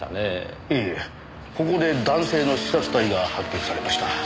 ええここで男性の刺殺体が発見されました。